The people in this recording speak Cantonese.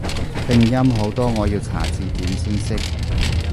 拼音好多我要查字典先識